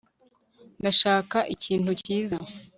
ndashaka ikintu cyiza